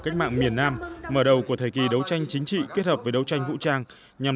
cách mạng miền nam mở đầu của thời kỳ đấu tranh chính trị kết hợp với đấu tranh vũ trang nhằm